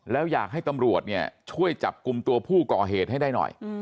แล้วอยากให้ตำรวจเนี่ยช่วยจับกลุ่มตัวผู้ก่อเหตุให้ได้หน่อย